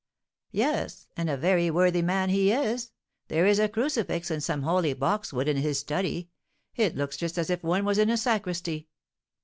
"Yes; and a very worthy man he is. There is a crucifix and some holy boxwood in his study; it looks just as if one was in a sacristy."